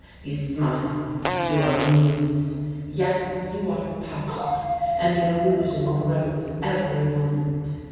You smile; you are amused; yet you are touched, and the illusion grows every moment.